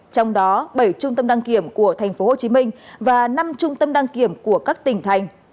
trong đó bảy trung tâm đăng kiểm của tp hcm và năm trung tâm đăng kiểm của các tỉnh thành